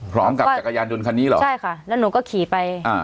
พร้อมกับจักรยานดนตร์คันนี้เหรอใช่ค่ะและหนูก็ขี่ไปอ่า